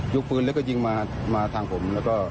ยกปืนแล้วก็ยิงมามาทางผม